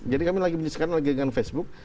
jadi kami lagi menyusun facebook